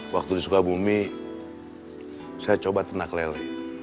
waktu di sukabumi saya coba ternak lele